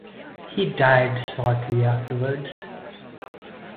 He died shortly afterwards.